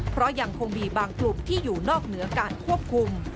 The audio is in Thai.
เพราะยังคงมีบางกลุ่มที่อยู่นอกเหนือการควบคุม